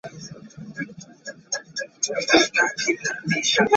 His father was a notary clerk in Brescia.